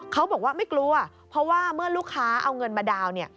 เขาบอกว่าไม่กลัวเพราะว่าเมื่อลูกค้าเอาเงินมาดาวน์เนี่ย